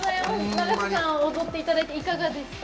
永瀬さん踊っていただいていかがでしたか？